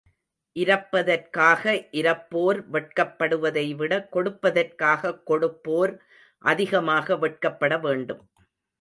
இரப்பதற்காக இரப்போர் வெட்கப்படுவதைவிட, கொடுப்பதற்காகக் கொடுப்போர் அதிகமாக வெட்கப்படவேண்டும்.